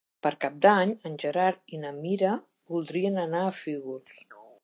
Per Cap d'Any en Gerard i na Mira voldrien anar a Fígols.